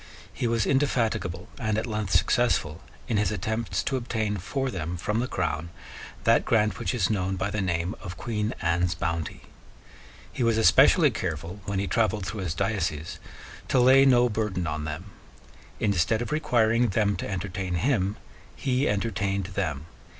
He was indefatigable and at length successful in his attempts to obtain for them from the Crown that grant which is known by the name of Queen Anne's Bounty. He was especially careful, when he travelled through his diocese, to lay no burden on them. Instead of requiring them to entertain him, he entertained them.